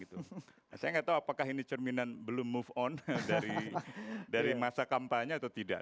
saya nggak tahu apakah ini cerminan belum move on dari masa kampanye atau tidak